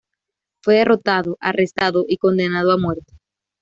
Fue derrotado, arrestado y condenado a muerte.